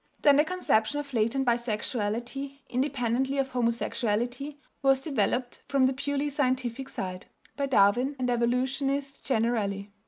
Then the conception of latent bisexuality, independently of homosexuality, was developed from the purely scientific side (by Darwin and evolutionists generally).